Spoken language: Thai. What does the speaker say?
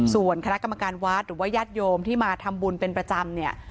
ส่วนคณะกรรมการวัดหรือว่าญาติโยมที่มาทำบุญเป็นประจำเนี่ย